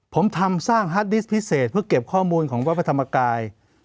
ผมทำสร้างฮาร์ดดิสต์พิเศษเพื่อเก็บข้อมูลของวัดพระธรรมกาย